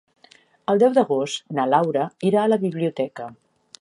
El deu d'agost na Laura irà a la biblioteca.